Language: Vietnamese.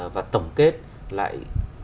và tổng kết lại